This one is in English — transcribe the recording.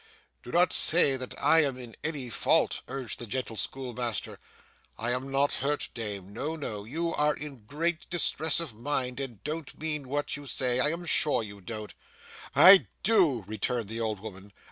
'Do not say that I am in any fault,' urged the gentle school master. 'I am not hurt, dame. No, no. You are in great distress of mind, and don't mean what you say. I am sure you don't.' 'I do,' returned the old woman.